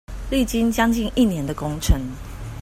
歷經將近一年的工程